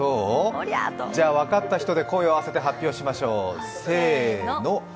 じゃ、分かった人で声を合わせて発表しましょう。